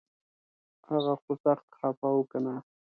هغه خو سخت خفه و کنه